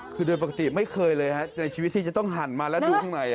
คือโดยปกติไม่เคยเลยฮะในชีวิตที่จะต้องหั่นมาแล้วดูข้างใน